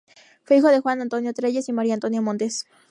Fue hijo de Juan Antonio Trelles y Maria Antonia Montes.